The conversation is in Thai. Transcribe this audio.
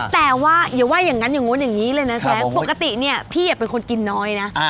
แต่ว่าอย่าว่าอย่างนั้นอย่างนู้นอย่างนี้เลยนะแจ๊คปกติเนี่ยพี่เป็นคนกินน้อยนะ